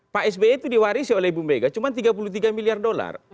pak sby itu diwarisi oleh ibu mega cuma tiga puluh tiga miliar dolar